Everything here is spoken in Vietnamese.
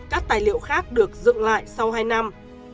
các tài liệu khác được dựng lại sau hai năm